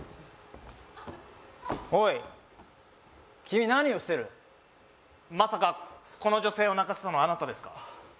おい君何をしてるまさかこの女性を泣かせたのはあなたですか？